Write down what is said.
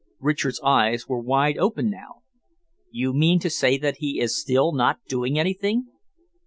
Richard's eyes were wide open now. "You mean to say that he is still not doing anything?"